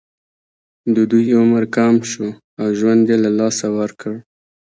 د دوی عمر کم شو او ژوند یې له لاسه ورکړ.